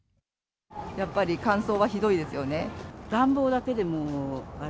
やっぱり乾燥はひどいですよね。